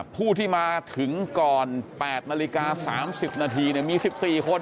ผู้ที่มาถึงก่อน๘นาฬิกา๓๐นาทีมี๑๔คน